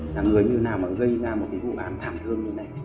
là người như nào mà gây ra một cái vụ án thảm thương như thế này